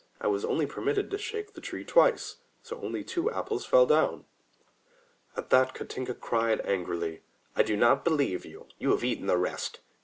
I was only permitted to shake the tree twice, so only two apples fell down." At that Katinka cried angrily, "I do not believe you. You have eaten the rest.